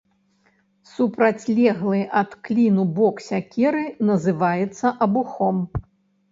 Супрацьлеглы ад кліну бок сякеры называецца абухом.